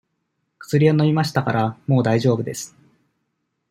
くすりを飲みましたから、もうだいじょうぶです。